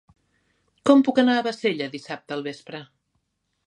Com puc anar a Bassella dissabte al vespre?